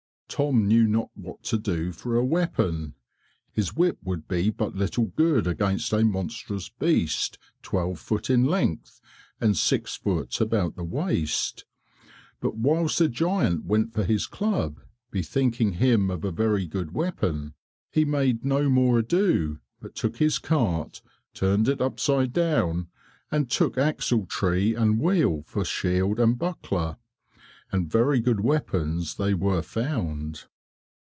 Tom knew not what to do for a weapon; his whip would be but little good against a monstrous beast twelve foot in length and six foot about the waist. But whilst the giant went for his club, bethinking him of a very good weapon, he made no more ado, but took his cart, turned it upside down, and took axle tree and wheel for shield and buckler. And very good weapons they were found!